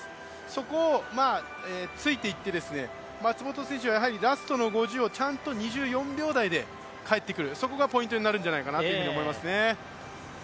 そこをついていって、松元選手はラストの５０をちゃんと２４秒台で帰ってくる、そこがポイントになるんじゃないかなと思いますね。